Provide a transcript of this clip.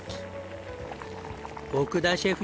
奥田シェフ